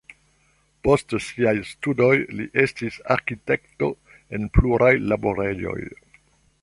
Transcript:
Post siaj studoj li estis arkitekto en pluraj laborejoj.